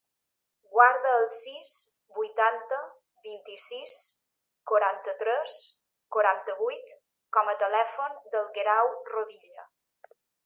Guarda el sis, vuitanta, vint-i-sis, quaranta-tres, quaranta-vuit com a telèfon del Guerau Rodilla.